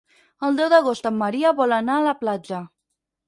El deu d'agost en Maria vol anar a la platja.